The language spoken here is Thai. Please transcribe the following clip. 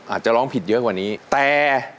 อาจจะร้องผิดเยอะกว่านี้แต่